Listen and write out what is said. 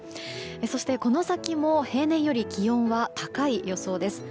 そして、この先も平年より気温は高い予想です。